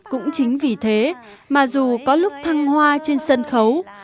cũng chính vì thế mà dù có lúc thăng hoa trên sân khấu